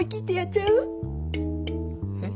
えっ？